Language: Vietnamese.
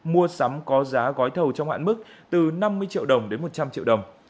mua sắm có giá gói thầu trong hạn mức từ năm mươi triệu đồng đến một trăm linh triệu đồng